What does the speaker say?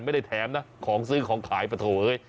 ไม่ได้แถมนะของซื้อของขายปะโถเฮ้ย